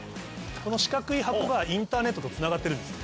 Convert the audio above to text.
この四角い箱がインターネットとつながってるんです。